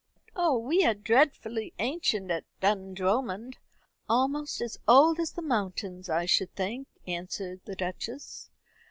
"Oh, we are dreadfully ancient at Dundromond; almost as old as the mountains, I should think," answered the Duchess.